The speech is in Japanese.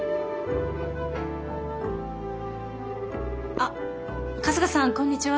あっ春日さんこんにちは。